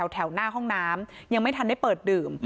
แถวหน้าห้องน้ำยังไม่ทันได้เปิดดื่ม